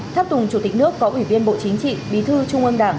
tháp tùng chủ tịch nước có ủy viên bộ chính trị bí thư trung ương đảng